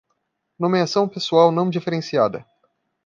Nomeação pessoal não diferenciada